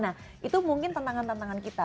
nah itu mungkin tantangan tantangan kita